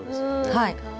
はい。